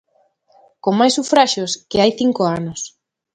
Con máis sufraxios que hai cinco anos.